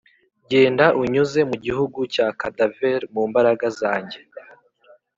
genda unyuze mu gihugu cya cadaver mu mbaraga zanjye,